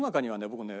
僕ね